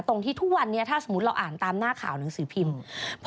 ตรงที่ทุกวันนี้ถ้าสมมุติเราอ่านตามหน้าข่าวหนังสือพิมพ์